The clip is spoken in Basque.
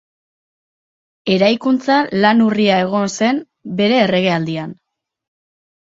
Eraikuntza lan urria egon zen bere erregealdian.